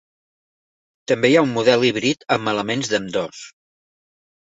També hi ha un model híbrid amb elements d'ambdós.